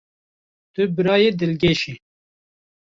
Tu birayê dilgeş î.